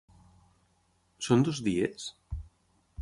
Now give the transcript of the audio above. Són dos dies?